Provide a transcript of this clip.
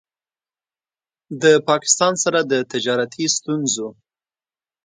د پاکستان سره د تجارتي ستونځو